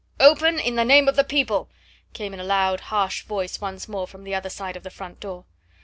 "Open, in the name of the people!" came in a loud harsh voice once more from the other side of the front door.